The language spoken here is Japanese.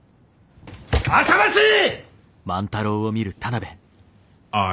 あさましい！